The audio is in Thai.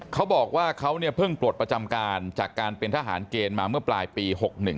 เขาบอกว่าเขาเนี่ยเพิ่งปลดประจำการจากการเป็นทหารเกณฑ์มาเมื่อปลายปี๖๑